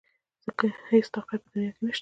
ځکه هېڅ طاقت په دنيا کې نشته .